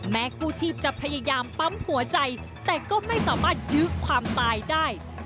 กู้ชีพจะพยายามปั๊มหัวใจแต่ก็ไม่สามารถยื้อความตายได้